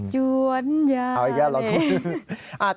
ย้วนเยอะเลยเอาอีกแค่ละคุณ